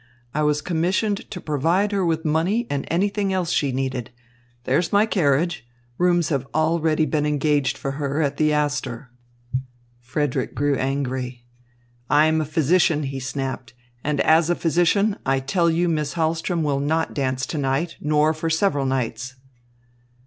"I was commissioned to provide her with money and anything else she needed. There's my carriage. Rooms have already been engaged for her at the Astor." Frederick grew angry. "I am a physician," he snapped, "and as a physician, I tell you Miss Hahlström will not dance to night, nor for several nights."